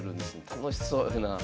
楽しそうやなあ。